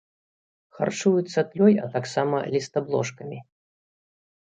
Харчуюцца тлёй, а таксама лістаблошкамі.